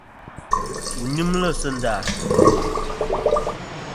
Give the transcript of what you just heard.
Wu nyɨmlɨ sɨ nda ?